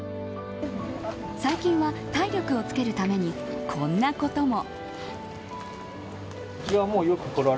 最近は体力をつけるためにこんなことも。